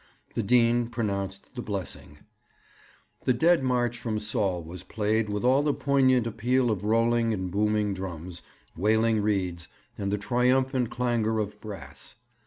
The Dean pronounced the blessing. The Dead March from Saul was played with all the poignant appeal of rolling and booming drums, wailing reeds, and the triumphant clangour of brass.